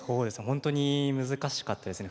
ほんとに難しかったですね。